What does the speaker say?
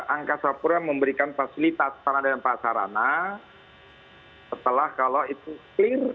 angkasa pura memberikan fasilitas sarana dan prasarana setelah kalau itu clear